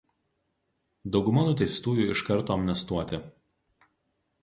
Dauguma nuteistųjų iš karto amnestuoti.